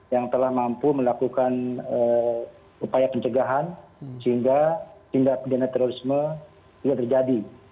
yang telah mampu melakukan upaya pencegahan sehingga tindak pidana terorisme tidak terjadi